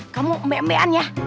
kamu embe embean ya